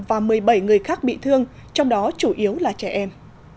và một mươi bảy người khác bị thương trong đó chủ yếu là trẻ em